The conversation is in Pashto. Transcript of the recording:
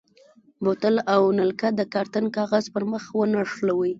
بوتل او نلکه د کارتن کاغذ پر مخ ونښلوئ.